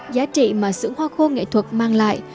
giá trị mà sưởng hoa khô nghệ thuật mang lại